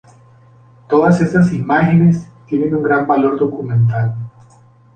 Todas estas imágenes tienen un gran valor documental.